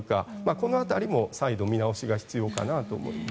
この辺りも再度見直しが必要かなと思います。